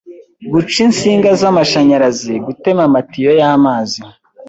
guca insinga zamashanyarazi gutema amatiyo yamazi